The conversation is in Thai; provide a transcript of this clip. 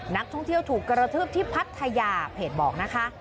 นักท่องเที่ยวถูกกระทืบที่พัทยาเพจบอกนะคะ